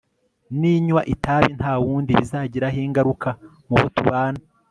ninywa itabi nta wundi bizagiraho ingaruka mu bo tubana